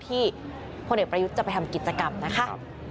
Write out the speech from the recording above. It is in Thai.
พลเอกประยุทธ์จะไปทำกิจกรรมนะคะ